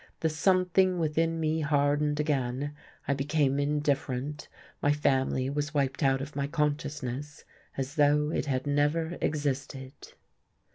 The something within me hardened again, I became indifferent, my family was wiped out of my consciousness as though it had never existed.